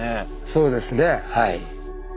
そうですねはい。